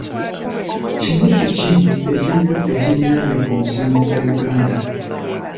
Kinusu ki ekiriko ekyenyanja ku nsimbi za Uganda?